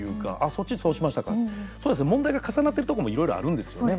そっちそうしましたか問題が重なってるところもいろいろあるんですよね